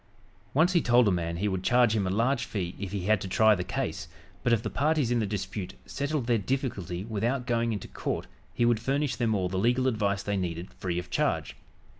Once he told a man he would charge him a large fee if he had to try the case, but if the parties in the dispute settled their difficulty without going into court he would furnish them all the legal advice they needed free of charge.